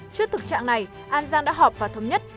trước thực trạng này an giang đã họp và thống nhất